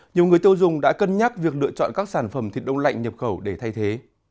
nhiều người tiêu dùng đã cân nhắc việc lựa chọn các sản phẩm thịt đông lạnh nhập khẩu để thay thế